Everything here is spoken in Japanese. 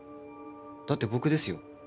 だって僕ですよ？